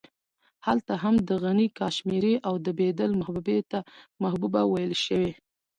هلته هم د غني کاشمېري او د بېدل محبوبې ته محبوبه ويل شوې.